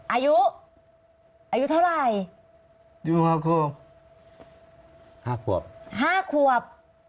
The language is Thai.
อายุอายุเท่าไรชิมมาครบ๕ขวบ